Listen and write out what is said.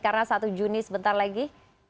karena satu juni sebentar lagi